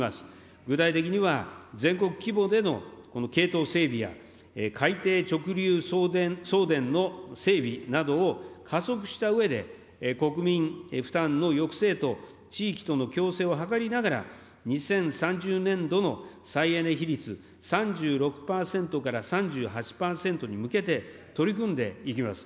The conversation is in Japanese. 具体的には、全国規模でのこの系統整備や、海底直流送電の整備などを加速したうえで、国民負担の抑制と、地域との共生を図りながら、２０３０年度の再エネ比率３６％から３８％に向けて、取り組んでいきます。